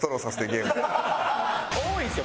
多いですよ